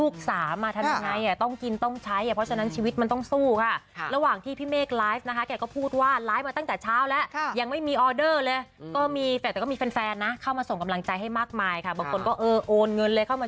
เป็นค่าขนมลูกค่าขนมเด็กละกันนะคะ